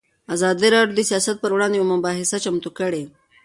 ازادي راډیو د سیاست پر وړاندې یوه مباحثه چمتو کړې.